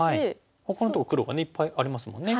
ほかのとこ黒がいっぱいありますもんね。